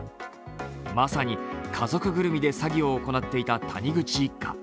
まさに家族ぐるみで詐欺を行っていた谷口一家。